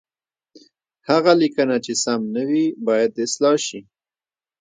هغه لیکنه چې سم نه وي، باید اصلاح شي.